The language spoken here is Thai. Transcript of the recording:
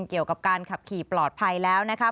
เกี่ยวกับการขับขี่ปลอดภัยแล้วนะคะ